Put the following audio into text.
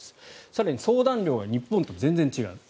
更に相談料が日本と全然違う。